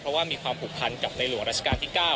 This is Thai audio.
เพราะว่ามีความผูกพันกับในหลวงราชการที่๙